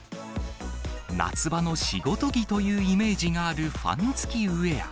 夏場の仕事着というイメージがあるファン付きウエア。